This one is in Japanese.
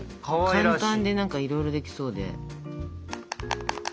簡単で何かいろいろできそうで。